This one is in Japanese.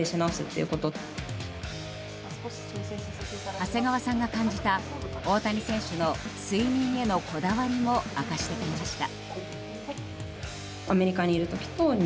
長谷川さんが感じた大谷選手の睡眠へのこだわりも明かしてくれました。